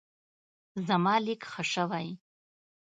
زما لیک ښه شوی.